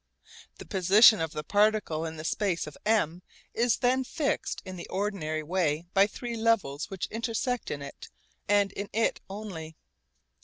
The position of the particle in the space of M is then fixed in the ordinary way by three levels which intersect in it and in it only.